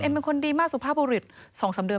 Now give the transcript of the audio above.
มันเป็นคนดีมากสุภาพบุรุษสองสามเดือน